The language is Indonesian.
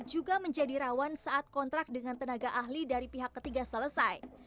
juga menjadi rawan saat kontrak dengan tenaga ahli dari pihak ketiga selesai